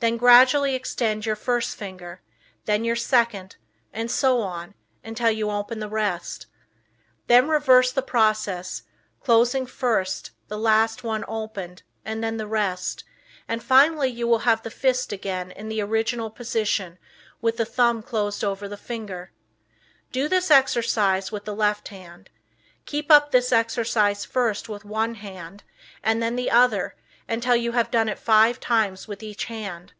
Then gradually extend your first finger, then your second and so on until you open the rest. Then reverse the process, closing first the last one opened and then the rest, and finally you will have the fist again in the original position with the thumb closed over the finger. Do this exercise with the left hand. Keep up this exercise first with one hand and then the other until you have done it five times with each hand.